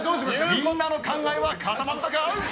みんなの考えは固まったか？